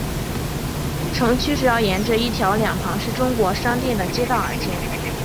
城区主要沿着一条两旁是中国商店的街道而建。